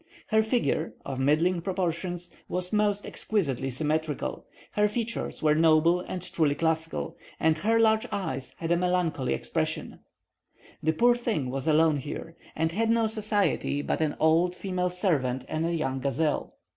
Her figure, of middling proportions, was most exquisitely symmetrical; her features were noble and truly classical; and her large eyes had a melancholy expression: the poor thing was alone here, and had no society but an old female servant and a young gazelle.